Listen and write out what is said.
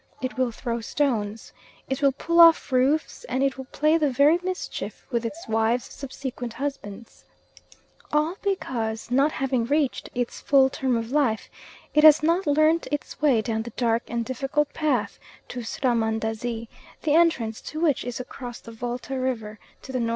It will throw stones. It will pull off roofs, and it will play the very mischief with its wives' subsequent husbands, all because, not having reached its full term of life, it has not learnt its way down the dark and difficult path to Srahmandazi, the entrance to which is across the Volta River to the N.E.